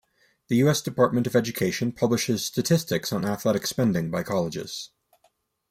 The U. S. Department of Education publishes statistics on athletic spending by colleges.